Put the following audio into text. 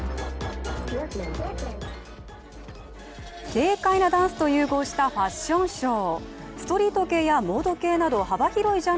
軽快なダンスと融合したファッションショー。